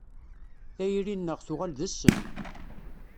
Tayri-nneɣ tuɣal d ssem.